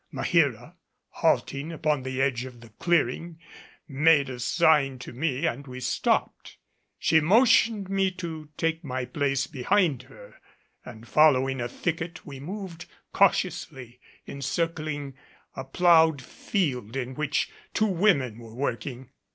Maheera, halting upon the edge of the clearing, made a sign to me and we stopped. She motioned me to take my place behind her, and following a thicket we moved cautiously, encircling a plowed field in which two women were working.